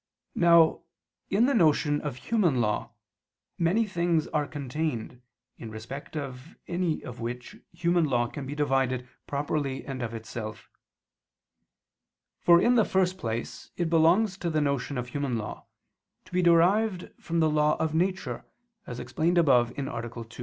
Now, in the notion of human law, many things are contained, in respect of any of which human law can be divided properly and of itself. For in the first place it belongs to the notion of human law, to be derived from the law of nature, as explained above (A. 2).